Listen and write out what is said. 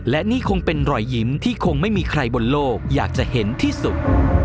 และนี่คงเป็นรอยยิ้มที่คงไม่มีใครบนโลกอยากจะเห็นที่สุด